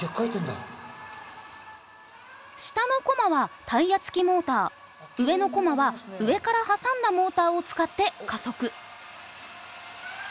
下のコマはタイヤつきモーター上のコマは上から挟んだモーターを使って加速。